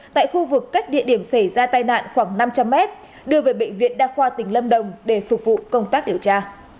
tại khu vực cách địa điểm xảy ra tai nạn khoảng năm trăm linh m đưa về bệnh viện đa khoa tỉnh lâm đồng để phục vụ công tác điều tra